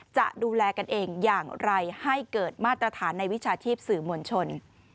จะดูแลกันเองอย่างไรให้เกิดมาตรฐานในวิชาชีพสื่อมวลชน